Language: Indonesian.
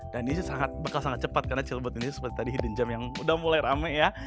dan ini bakal sangat cepat karena cilbut ini seperti tadi hidden jam yang sudah mulai ramai ya